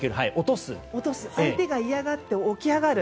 相手が嫌がって起き上がる。